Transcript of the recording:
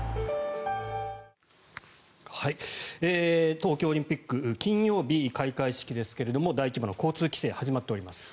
東京オリンピック金曜日、開会式ですけれども大規模な交通規制始まっております。